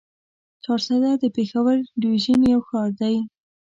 چارسده د پېښور ډويژن يو ښار دی.